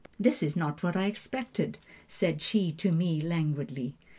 "'This is not what I expected,' said she to me languidly.